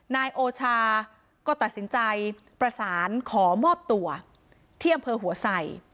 นายโอชาก็ตัดสินใจประสานขอมอบตัวที่อำเภอหัวไส